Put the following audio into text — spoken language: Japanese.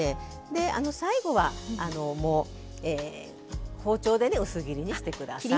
で最後はもう包丁でね薄切りにして下さい。